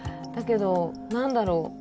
だけど何だろう。